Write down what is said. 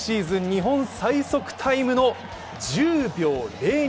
日本最速タイムの１０秒０２！